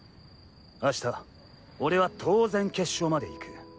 明日俺は当然決勝まで行く。